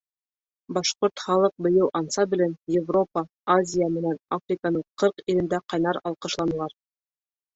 Башҡорт халыҡ бейеү ансамблен Европа, Азия менән Африканың ҡырҡ илендә ҡайнар алҡышланылар.